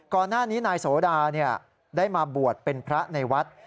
ก่อนหน้านี้นายโสดาได้มาบวชเป็นพระในวัด